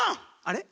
あれ？